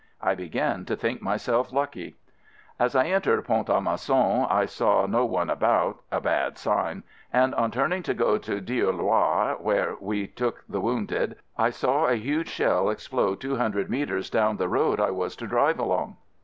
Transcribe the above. I began to think myself lucky. As I entered Pont a Mousson, I saw no one about (a bad sign), and on turning to go to Dieulouard where we take the wounded I saw a huge shell explode two hundred metres down the road I was to drive along.